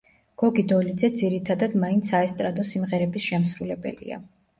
გოგი დოლიძე ძირითადად მაინც საესტრადო სიმღერების შემსრულებელია.